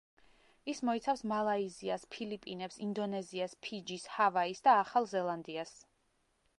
ის მოიცავს: მალაიზიას, ფილიპინებს, ინდონეზიას, ფიჯის, ჰავაის და ახალ ზელანდიას.